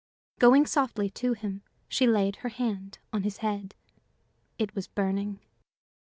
Going softly to him, she laid her hand on his head. It was burning.